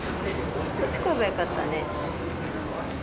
こっち来ればよかったね。